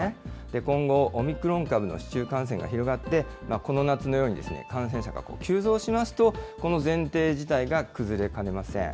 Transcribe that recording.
今後、オミクロン株の市中感染が広がって、この夏のように感染者が急増しますと、この前提自体が崩れかねません。